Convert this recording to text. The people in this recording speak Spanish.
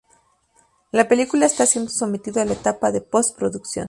La película está siendo sometido a la etapa de post-producción.